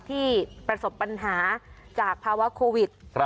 ที่ประสบปัญหาจากภาวะโควิด